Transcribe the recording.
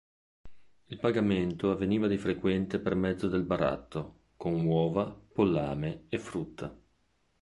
Il pagamento avveniva di frequente per mezzo del baratto, con uova, pollame e frutta.